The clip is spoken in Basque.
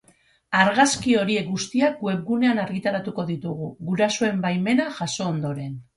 Argazki horiek guztiak webgunean argitaratuko ditugu, gurasoen baimena jaso ondoren.